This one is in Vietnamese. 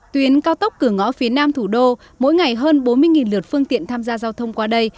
tuyến cao tốc cửa ngõ phía nam thủ đô mỗi ngày hơn bốn mươi lượt phương tiện tham gia giao thông qua đây